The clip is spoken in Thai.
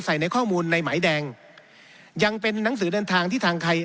ในข้อมูลในหมายแดงยังเป็นหนังสือเดินทางที่ทางไทย